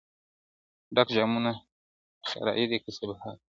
ډک جامونه صراحي ده که صهبا دی،